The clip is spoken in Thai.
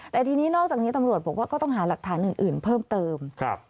แต่ทีนี้นอกจากนี้ตำรวจบอกว่าก็ต้องหาหลักฐานอื่นเพิ่มเติม